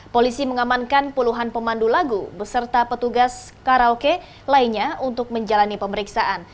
polisi mengamankan puluhan pemandu lagu beserta petugas karaoke lainnya untuk menjalani pemeriksaan